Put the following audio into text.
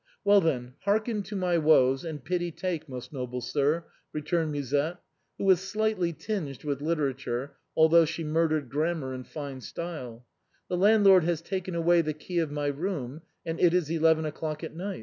"Well, then, hearken to my woes and pity take, most noble sir," returned Musette, who was slightly tinged with literature, although she murdered grammar in fine style; "the landlord has taken away the key of my room and it is eleven o'clock at night.